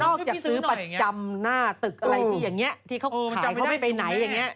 นอกจากซื้อประจำหน้าตึกอะไรที่นี่ที่เขาขายเขาไปในไหนเนี่ย